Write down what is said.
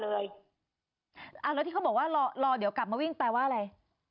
แล้วที่เขาบอกว่ารอเดี๋ยวกลับมาวิ่งแปลว่าอะไร